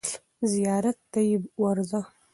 زیارت ته یې ورځه.